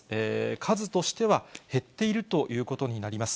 数としては減っているということになります。